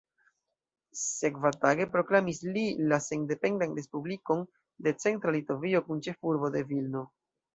Sekvatage proklamis li la sendependan Respublikon de Centra Litovio kun ĉefurbo de Vilno.